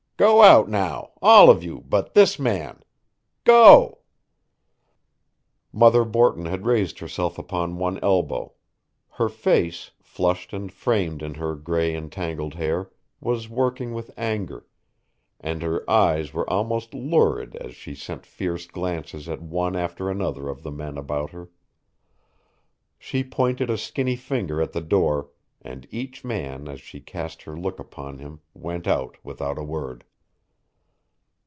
Go out, now all of you but this man. Go!" Mother Borton had raised herself upon one elbow; her face, flushed and framed in her gray and tangled hair, was working with anger; and her eyes were almost lurid as she sent fierce glances at one after another of the men about her. She pointed a skinny finger at the door, and each man as she cast her look upon him went out without a word.